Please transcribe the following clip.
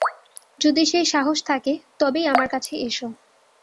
যদি সেই সাহস থাকে, তবেই আমার কাছে এসো।